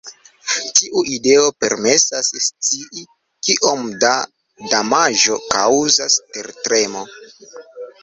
Tiu ideo permesas scii kiom da damaĝo kaŭzas tertremo.